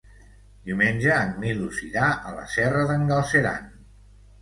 Diumenge en Milos irà a la Serra d'en Galceran.